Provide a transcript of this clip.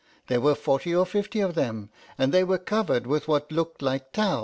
There were forty or fifty of them, and they were covered with what looked like tow.